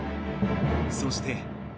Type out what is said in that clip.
そして。